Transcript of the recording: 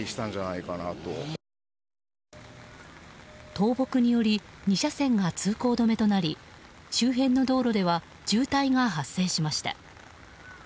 倒木により２車線が通行止めとなり周辺の道路では渋滞が発生しました。